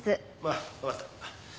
ああわかった。